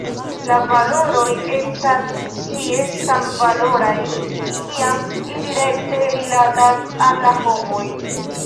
La valoroj estas ĉie samvaloraj kiam ili rekte rilatas al la homoj.